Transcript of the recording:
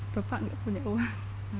bapak tidak punya uang